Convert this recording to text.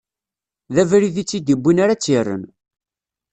D abrid i tt-id-iwwin ara tt-irren.